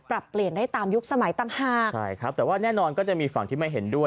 ปรับเปลี่ยนได้ตามยุคสมัยต่างหากใช่ครับแต่ว่าแน่นอนก็จะมีฝั่งที่ไม่เห็นด้วย